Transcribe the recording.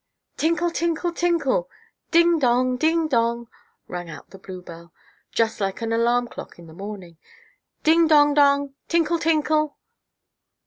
"Tinkle! Tinkle! Tinkle! Ding dong! Ding dong!" rang out the bluebell, just like an alarm clock in the morning. "Ding dong dong! Tinkle! Tinkle!"